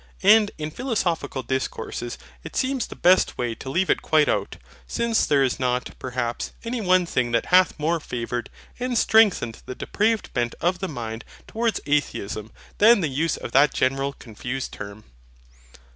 And in philosophical discourses it seems the best way to leave it quite out: since there is not, perhaps, any one thing that hath more favoured and strengthened the depraved bent of the mind towards Atheism than the use of that general confused term.